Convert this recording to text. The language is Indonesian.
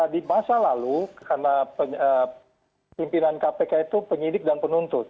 di masa lalu karena pimpinan kpk itu penyidik dan penuntut